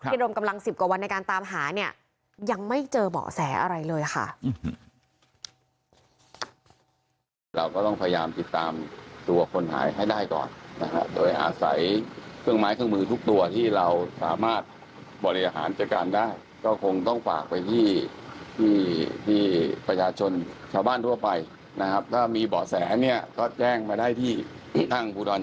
ดมกำลัง๑๐กว่าวันในการตามหาเนี่ยยังไม่เจอเบาะแสอะไรเลยค่ะ